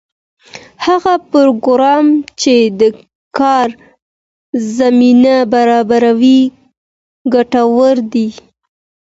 هغه پروګرام چې د کار زمینه برابروي ګټور دی.